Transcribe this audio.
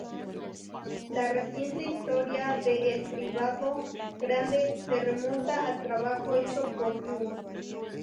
La reciente historia de el cribado grande se remonta al trabajo hecho por Yu.